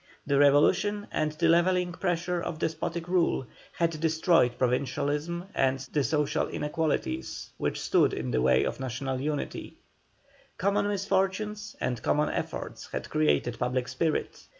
The revolution and the leveling pressure of despotic rule, had destroyed provincialism and the social inequalities which stood in the way of national unity; common misfortunes and common efforts had created public spirit.